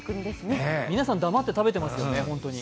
皆さん黙って食べてますよね、本当に。